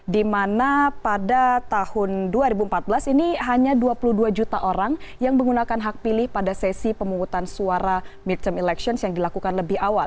di mana pada tahun dua ribu empat belas ini hanya dua puluh dua juta orang yang menggunakan hak pilih pada sesi pemungutan suara mirtom elections yang dilakukan lebih awal